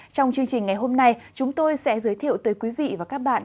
trong chương trình ngày hôm nay chúng tôi sẽ giới thiệu tới quý vị và các bạn